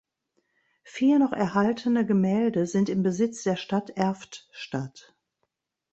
Vier noch erhaltene Gemälde sind im Besitz der Stadt Erftstadt.